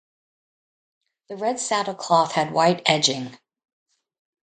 The red saddle cloth had white edging.